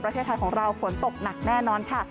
ประเทศไทยของเราฝนตกหนักแน่นอนค่ะ